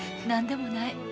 何でもない。